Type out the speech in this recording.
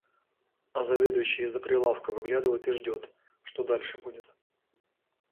А заведующий из-за прилавка выглядывает и ждёт, что дальше будет.